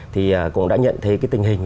thì cũng đã nhận thấy cái tình hình